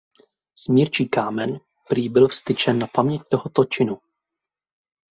Smírčí kámen prý byl vztyčen na paměť tohoto činu.